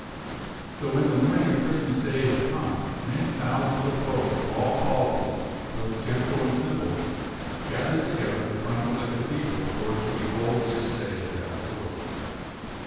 SO when the morning of Christmas day had come, many thousands of folk of all qualities, both gentle and simple, gathered together in front of the cathedral for to behold the assay of that sword.